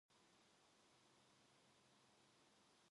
영신은 새신랑처럼 옥색 저고리를 입은 인물에게 호기심을 일으키며 물었다.